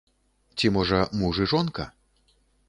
Ці можа муж і жонка?